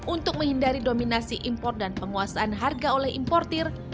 untuk menghindari dominasi impor dan penguasaan harga oleh importir